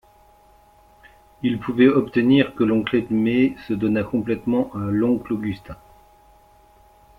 Il pouvait obtenir que l'oncle Edme se donnât complètement à l'oncle Augustin.